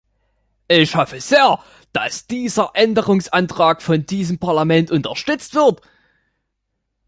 Ich hoffe sehr, dass dieser Änderungsantrag von diesem Parlament unterstützt wird.